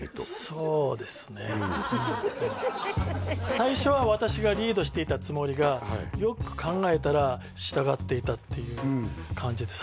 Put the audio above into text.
最初は私がリードしていたつもりがよく考えたら従っていたっていう感じです